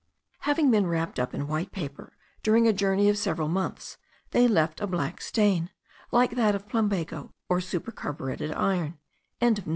Having been wrapped up in white paper during a journey of several months, they left a black stain, like that of plumbago or supercarburetted iron.)